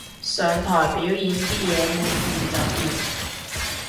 上台表演啲嘢抹完就掉